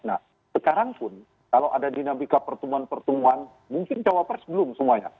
nah sekarang pun kalau ada dinamika pertemuan pertemuan mungkin cawapres belum semuanya